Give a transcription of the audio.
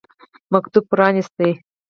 مکتوب پرانیست.